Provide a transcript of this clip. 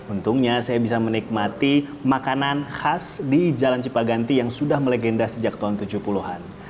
untungnya saya bisa menikmati makanan khas di jalan cipaganti yang sudah melegenda sejak tahun tujuh puluh an